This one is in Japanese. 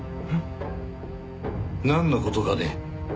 なんの事かね？